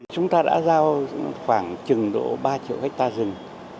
chúng ta đã giao khoảng trừng độ ba triệu hectare rừng